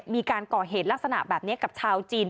มีการก่อเหตุลักษณะแบบนี้กับชาวจีน